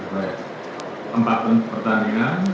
baik tempat pertandingan